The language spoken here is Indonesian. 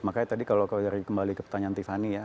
makanya tadi kalau kembali ke pertanyaan tiffany ya